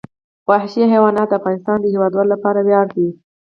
وحشي حیوانات د افغانستان د هیوادوالو لپاره ویاړ دی.